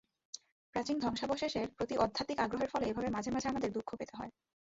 প্রাচীন ধ্বংসাবশেষের প্রতি অত্যধিক আগ্রহের ফলে এভাবে মাঝে মাঝে আমাদের দুঃখ পেতে হয়।